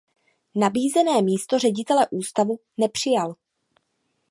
Nabízené místo ředitele ústavu nepřijal.